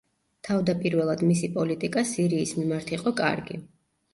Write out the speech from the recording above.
თავდაპირველად მისი პოლიტიკა სირიის მიმართ იყო კარგი.